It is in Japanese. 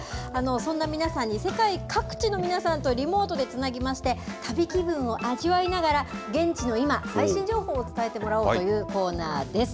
そんな皆さんに世界各地の皆さんとリモートでつなぎまして、旅気分を味わいながら、現地の今、最新情報を伝えてもらおうというコーナーです。